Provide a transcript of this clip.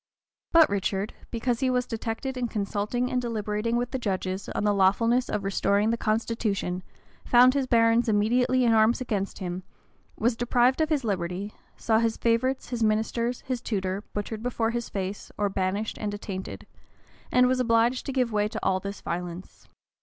But Richard, because he was detected in consulting and deliberating with the judges on the lawfulness of restoring the constitution, found his barons immediately in arms against him; was deprived of his liberty; saw his favorites, his ministers, his tutor, butchered before his face, or banished and attainted; and was obliged to give way to all this violence.